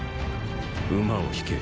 馬を引け。